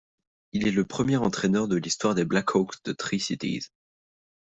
Il est le premier entraîneur de l'histoire des BlackHawks de Tri-Cities.